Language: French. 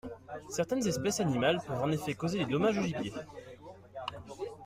Certaines espèces animales peuvent en effet causer des dommages au gibier.